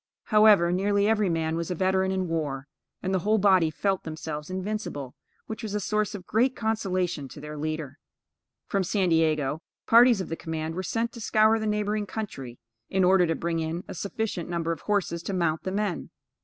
However, nearly every man was a veteran in war, and the whole body felt themselves invincible, which was a source of great consolation to their leader. From San Diego, parties of the command were sent to scour the neighboring country, in order to bring in a sufficient number of horses to mount the men.